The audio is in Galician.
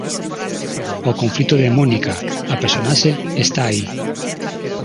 O conflito de Mónica, a personaxe, está aí.